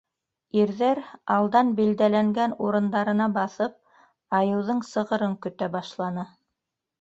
Ирҙәр алдан билдәләнгән урындарына баҫып, айыуҙың сығырын көтә башланы.